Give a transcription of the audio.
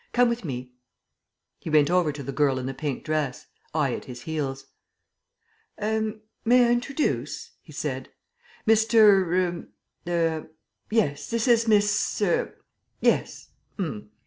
Come with me." He went over to the girl in the pink dress, I at his heels. "Er may I introduce?" he said. "Mr. er er yes, this is Miss er yes. H'r'm."